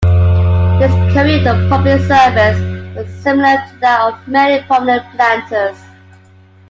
His career of public service was similar to that of many prominent planters.